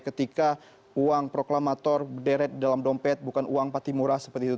ketika uang proklamator deret dalam dompet bukan uang pati murah seperti itu